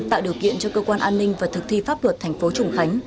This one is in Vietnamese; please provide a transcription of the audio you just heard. tạo điều kiện cho cơ quan an ninh và thực thi pháp luật thành phố trùng khánh